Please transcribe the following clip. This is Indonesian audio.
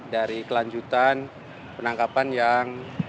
dari kelanjutan penangkapan yang